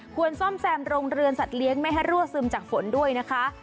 ซ่อมแซมโรงเรือนสัตว์เลี้ยงไม่ให้รั่วซึมจากฝนด้วยนะคะ